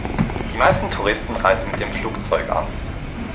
Die meisten Touristen reisen mit dem Flugzeug an.